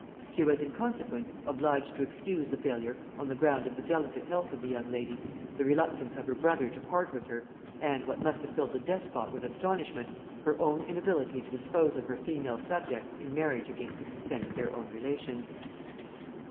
She was in consequence obliged to excuse the failure on the ground of the delicate health of the young lady, the reluctance of her brother to part with her, and, what must have filled the despot with astonishment, her own inability to dispose of her female subjects in marriage against the consent of their own relations.